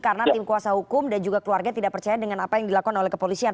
karena tim kuasa hukum dan juga keluarga tidak percaya dengan apa yang dilakukan oleh kepolisian